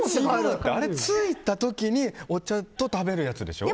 あれ、着いた時にお茶と食べるやつでしょ。